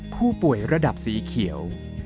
ผู้ป่วยระดับสีเขียว